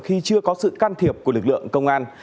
khi chưa có sự can thiệp của lực lượng công an